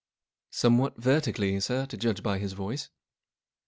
Somewhat vertically, sir, to judge by bis voice."